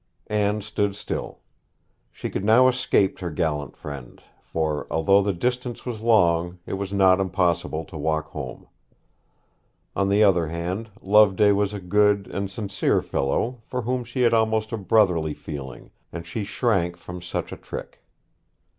Anne stood still. She could now escape her gallant friend, for, although the distance was long, it was not impossible to walk home. On the other hand, Loveday was a good and sincere fellow, for whom she had almost a brotherly feeling, and she shrank from such a trick.